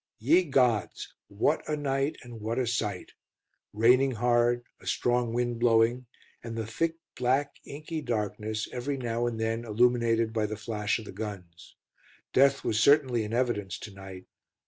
Ye gods! what a night, and what a sight! Raining hard, a strong wind blowing, and the thick, black, inky darkness every now and then illuminated by the flash of the guns. Death was certainly in evidence to night.